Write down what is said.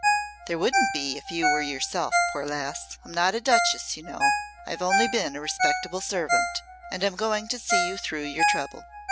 "There wouldn't be if you were yourself, poor lass. I'm not a duchess, you know. I've only been a respectable servant. And I'm going to see you through your trouble."